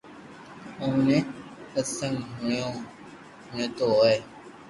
او بي ستسنگ ھوڻتو ھوئي